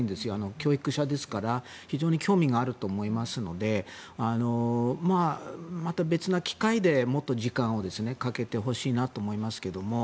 教育者ですから非常に興味があると思いますのでまた別な機会でもっと時間をかけてほしいなと思いますが。